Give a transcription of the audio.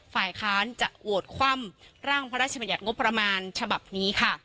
ฝ่ายค้านจะโหวตคว่ำร่างพระราชบัญญัติงบประมาณฉบับนี้ค่ะ